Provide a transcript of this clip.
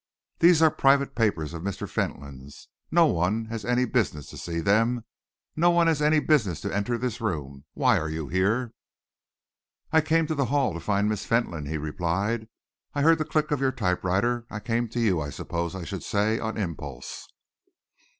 "These are private papers of Mr. Fentolin's. No one has any business to see them. No one has any business to enter this room. Why are you here?" "I came to the Hall to find Miss Fentolin," he replied. "I heard the click of your typewriter. I came to you, I suppose I should say, on impulse."